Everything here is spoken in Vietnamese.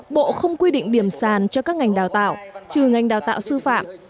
bộ không quy định điểm sàn cho các ngành đào tạo trừ ngành đào tạo sư phạm